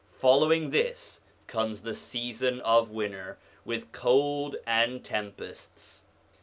Following this comes the season of winter, with cold and tempests.